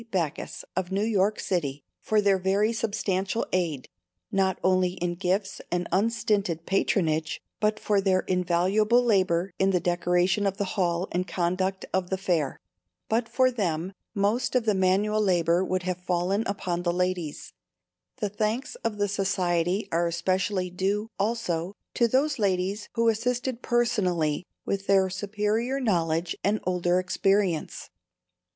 Backus of New York City, for their very substantial aid, not only in gifts and unstinted patronage, but for their invaluable labor in the decoration of the hall and conduct of the Fair. But for them most of the manual labor would have fallen upon the ladies. The thanks of the Society are especially due, also, to those ladies who assisted personally with their superior knowledge and older experience.